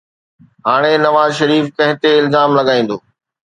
هاڻي نواز شريف ڪنهن تي الزام لڳائيندو؟